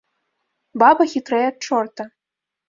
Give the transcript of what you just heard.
Баба хітрэй ад чорта!